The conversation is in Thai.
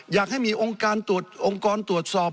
อยากให้มีองค์การตรวจองค์กรตรวจสอบ